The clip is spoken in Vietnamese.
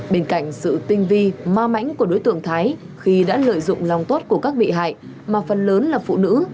bên cạnh sự tinh vi ma mãnh của đối tượng thái khi đã lợi dụng lòng tốt của các bị hại mà phần lớn là phụ nữ